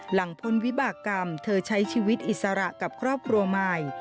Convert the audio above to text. พ้นวิบากรรมเธอใช้ชีวิตอิสระกับครอบครัวใหม่